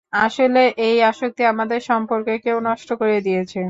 আসলে, এই আসক্তি আমাদের সম্পর্ককেও নষ্ট করে দিয়েছে।